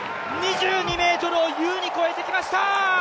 ２２ｍを優に越えてきました。